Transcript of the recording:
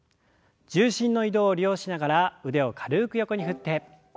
重心の移動を利用しながら腕を軽く横に振って。